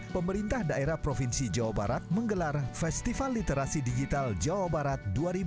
pemerintah daerah provinsi jawa barat menggelar festival literasi digital jawa barat dua ribu dua puluh